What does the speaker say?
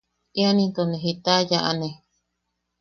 ¿Ian into ne jita yaane?